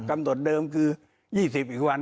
กำหนดเดิมลิขวัน๒๐